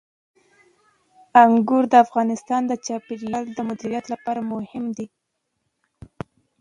انګور د افغانستان د چاپیریال د مدیریت لپاره مهم دي.